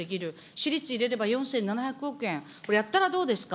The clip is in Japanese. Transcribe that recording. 私立入れれば４７００億円、これ、やったらどうですか。